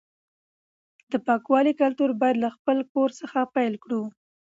د پاکوالي کلتور باید له خپل کور څخه پیل کړو.